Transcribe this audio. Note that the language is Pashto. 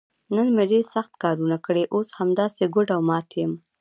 نن مې ډېر سخت کارونه کړي، اوس همداسې ګوډ او مات یم.